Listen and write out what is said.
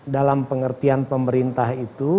dalam pengertian pemerintah itu